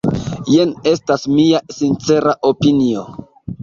Jen estas mia sincera opinio.